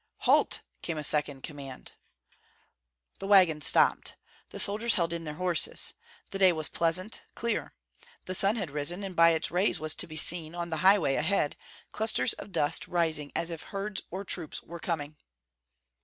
"Halt!" came a second command. The wagon stopped. The soldiers held in their horses. The day was pleasant, clear. The sun had risen, and by its rays was to be seen, on the highway ahead, clusters of dust rising as if herds or troops were coming.